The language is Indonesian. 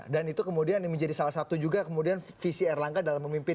dan itu kemudian menjadi salah satu juga kemudian visi erlangga dalam memimpin